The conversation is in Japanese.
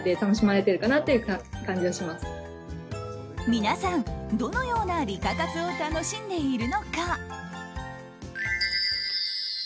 皆さん、どのようなリカ活を楽しんでいるのか。